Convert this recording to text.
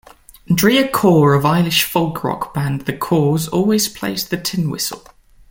Andrea Corr of Irish folk rock band The Corrs also plays the tin whistle.